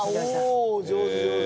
おお上手上手！